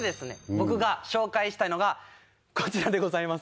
僕が紹介したいのがこちらでございます。